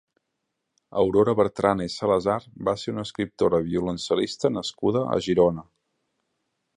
Aurora Bertrana i Salazar va ser una escriptora i violoncel·lista nascuda a Girona.